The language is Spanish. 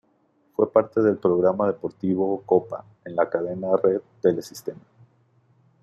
Fue parte del programa deportivo "Copa" en la cadena Red Telesistema.